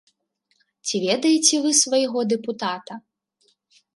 Ці ведаеце вы свайго дэпутата?